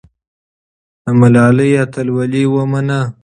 د ملالۍ اتلولي ومنه.